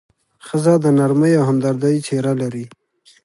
ښځه د نرمۍ او همدردۍ څېره لري.